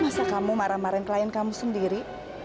masa kamu marah marahin klien kamu sendiri